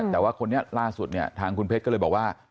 แต่ว่าคนนี้ล่าสุดเนี่ยทางคุณเพชรก็เลยบอกว่า